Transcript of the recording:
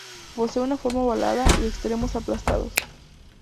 Posee una forma ovalada y extremos aplastados.